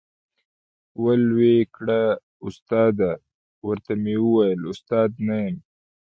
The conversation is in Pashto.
ول وې کړه ، استاده ، ورته ومي ویل استاد نه یم ،